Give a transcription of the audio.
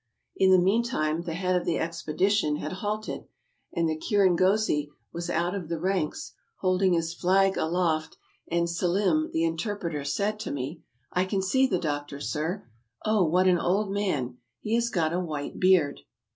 In the meantime, the head of the expedition had halted, and the Kirangozi was out of the ranks, holding his flag aloft, and Selim (the interpreter) said to me : "I see the doctor, sir. Oh, what an old man! He has got a white beard."